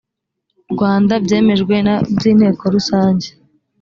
rwanda byemejwe na by inteko rusange